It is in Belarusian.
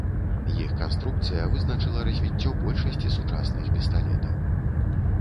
Іх канструкцыя вызначыла развіццё большасці сучасных пісталетаў.